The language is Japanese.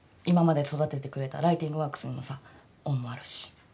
今まで育ててくれたライティングワークスにもさ恩もあるし。